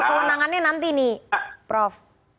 kewenangannya nanti nih prof